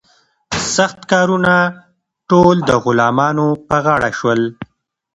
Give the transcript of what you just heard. سخت کارونه ټول د غلامانو په غاړه شول.